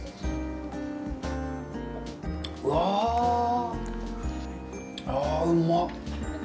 うわあ、うまっ。